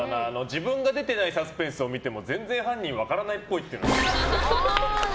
自分が出てないサスペンスを見ても全然犯人分からないっぽい。